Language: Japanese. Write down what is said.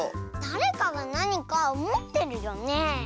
だれかがなにかもってるよね。